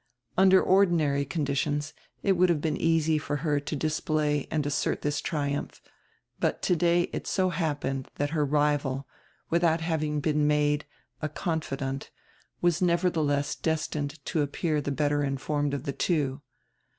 Under ordinary conditions it would have been easy for her to display and assert diis triumph, but today it so happened diat her rival, widiout having been made a con fidante, was neverdieless destined to appear die better in formed of die two.